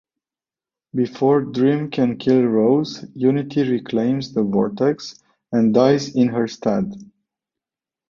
Before Dream can kill Rose, Unity reclaims the vortex and dies in her stead.